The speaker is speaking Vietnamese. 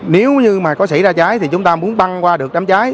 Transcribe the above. nếu như mà có xảy ra trái thì chúng ta muốn băng qua được đám trái